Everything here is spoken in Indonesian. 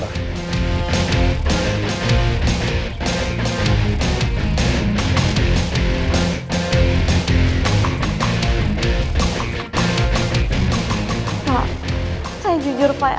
pak saya jujur pak